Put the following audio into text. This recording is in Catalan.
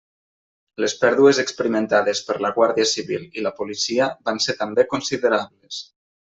Les pèrdues experimentades per la Guàrdia Civil i la policia van ser també considerables.